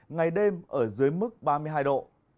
ngày đêm ở dưới mức ba mươi hai độ